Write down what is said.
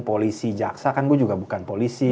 polisi jaksa kan gue juga bukan polisi